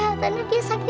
ini bapak nak